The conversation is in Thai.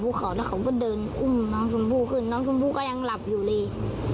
เขาแล้วเขาก็เดินอุ้มน้องชมพู่ขึ้นน้องชมพู่ก็ยังหลับอยู่เลย